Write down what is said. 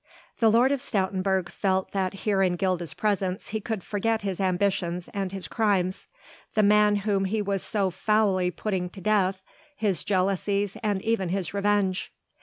The Lord of Stoutenburg felt that here in Gilda's presence he could forget his ambitions and his crimes, the man whom he was so foully putting to death, his jealousies and even his revenge.